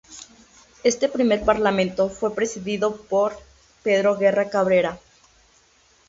Este primer parlamento fue presidido por Pedro Guerra Cabrera.